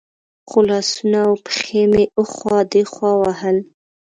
خو لاسونه او پښې مې اخوا دېخوا وهل.